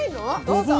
どうぞ。